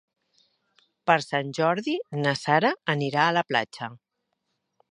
Per Sant Jordi na Sara anirà a la platja.